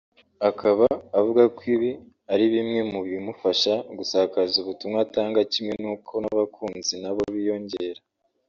Akaba avuga ko ibi ari bimwe mu bimufasha gusakaza ubutumwa atanga kimwe n’uko n’abakunzi nabo biyongera